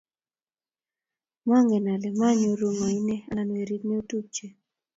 maken ale mayoru ng'o inyee anan werit neo tupche